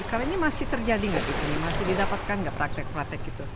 kalau ini masih terjadi nggak di sini masih didapatkan nggak praktek praktek itu